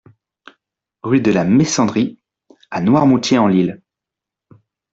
Rue de la Messandrie à Noirmoutier-en-l'Île